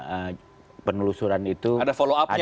ada follow up nya ya dari kasus nomor pertama